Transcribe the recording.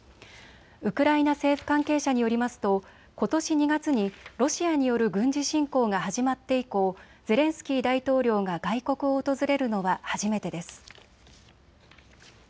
ウクライナ政府関係者によりますと、ことし２月にロシアによる軍事侵攻が始まって以降、ゼレンスキー大統領が外国を訪れるのは初めてです。